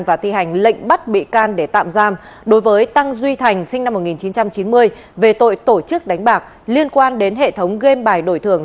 và thi hành lệnh bắt bị can để tạm giam đối với tăng duy thành sinh năm một nghìn chín trăm chín mươi về tội tổ chức đánh bạc liên quan đến hệ thống game bài đổi thưởng